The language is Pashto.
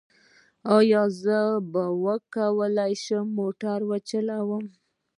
ایا زه به وکولی شم موټر وچلوم؟